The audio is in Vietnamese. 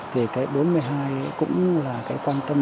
thì cái bốn mươi hai cũng là cái quan tâm